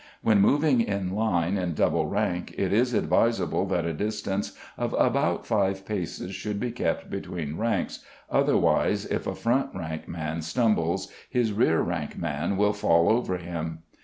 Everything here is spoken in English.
When moving in line in double rank it is advisable that a distance of about five paces should be kept between ranks, otherwise if a front rank man stumbles his rear rank man will fall over him.